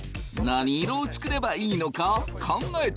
何色を作ればいいのか考えてみよう！